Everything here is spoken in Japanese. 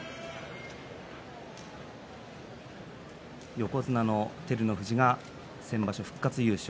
横綱の照ノ富士が先場所復活優勝。